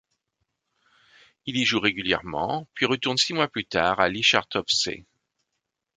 Il y joue régulièrement, puis retourne six mois plus tard à Ličartovce.